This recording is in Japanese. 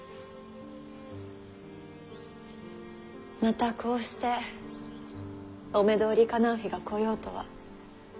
またこうしてお目通りかなう日が来ようとは。